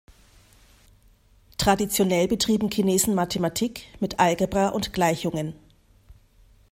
Traditionell betrieben Chinesen Mathematik mit Algebra und Gleichungen.